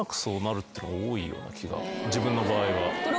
自分の場合は。